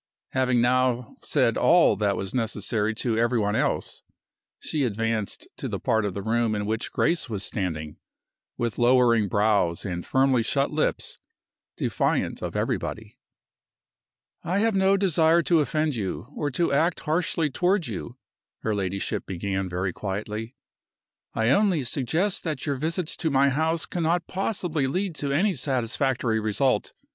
Having now said all that was necessary to every one else, she advanced to the part of the room in which Grace was standing, with lowering brows and firmly shut lips, defiant of everybody. "I have no desire to offend you, or to act harshly toward you," her ladyship began, very quietly. "I only suggest that your visits to my house cannot possibly lead to any satisfactory result.